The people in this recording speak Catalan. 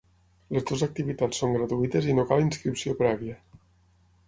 Les dues activitats són gratuïtes i no cal inscripció prèvia.